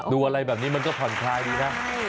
ดูอะไรแบบนี้มันก็ผ่อนคลายดีนะ